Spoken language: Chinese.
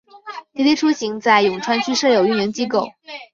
滴滴出行在永川区设有运营机构。